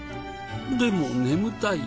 でも眠たい。